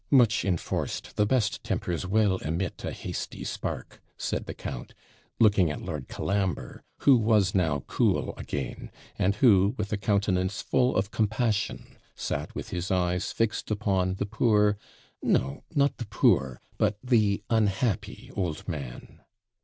Much enforced, the best tempers will emit a hasty spark,' said the count, looking at Lord Colambre, who was now cool again; and who, with a countenance full of compassion, sat with his eyes fixed upon the poor no, not the poor, but the unhappy old man.